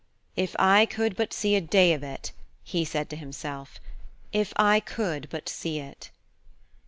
"If I could but see a day of it," he said to himself; "if I could but see it!"